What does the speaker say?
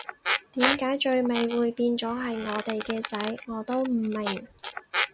點解最尾會變咗係我哋嘅仔，我都唔明